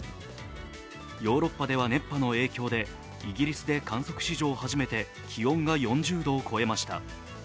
ヨーロッパでは熱波の影響でイギリスで観測史上初めて気温が４０度を超えました。